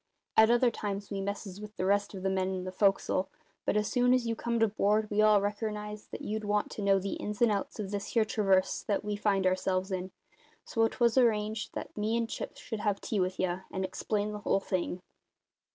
At other times we messes with the rest of the men in the fo'c'sle; but as soon as you comed aboard we all reckernised that you'd want to know the ins and outs of this here traverse that we finds ourselves in, so 'twas arranged that me and Chips should have tea with ye, and explain the whole thing."